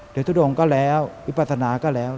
เดินทุกโดงก็แล้ววิปัสนาก็แล้ว